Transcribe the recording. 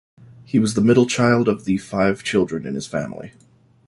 He was the middle child of the five children in his family.